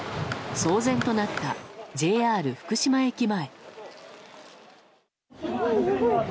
騒然となったＪＲ福島駅前。